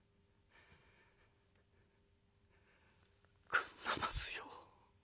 「くんなますよ。